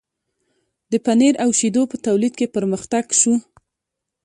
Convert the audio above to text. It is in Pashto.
د پنیر او شیدو په تولید کې پرمختګ شو.